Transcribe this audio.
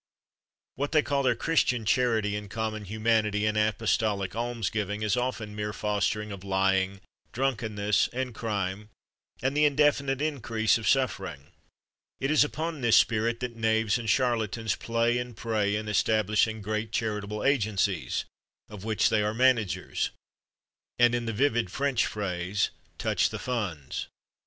What they call their Christian charity and common humanity and apostolic alms giving is often mere fostering of lying, drunkenness, and crime, and the indefinite increase of suffering. It is upon this spirit that knaves and charlatans play and prey in establishing great charitable agencies, of which they are managers, and, in the vivid French phrase, touch the funds.